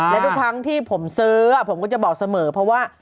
และทุกครั้งที่ผมซื้อผมก็จะบอกเสมอเพราะว่า